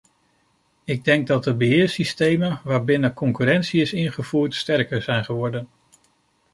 Ik denk dat de beheersystemen, waarbinnen concurrentie is ingevoerd, sterker zijn geworden.